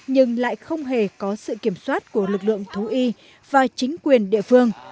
nhưng lại không hề có sự kiểm soát của lực lượng thú y và chính quyền địa phương